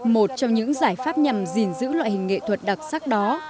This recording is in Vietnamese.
một trong những giải pháp nhằm gìn giữ loại hình nghệ thuật đặc sắc đó